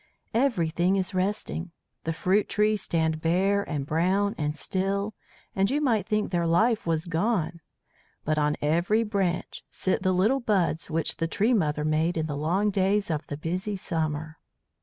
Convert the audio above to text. "Everything is resting. The fruit trees stand bare and brown and still, and you might think their life was gone. But on every branch sit the little buds which the tree mother made in the long days of the busy summer.